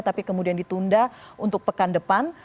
tapi kemudian ditunda untuk pekan depan